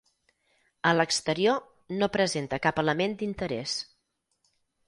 A l'exterior no presenta cap element d'interès.